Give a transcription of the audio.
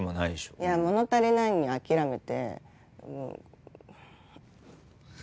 いや物足りないのに諦めてもう。